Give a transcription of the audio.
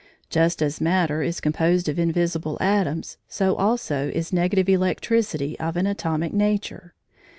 Just as matter is composed of invisible atoms, so also is negative electricity of an atomic nature.